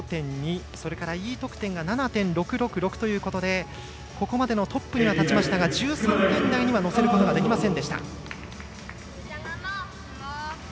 それからＥ得点が７．６６６ということでここまでのトップには立ちましたが１３点台には乗せることができませんでした。